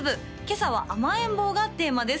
今朝は「甘えん坊」がテーマです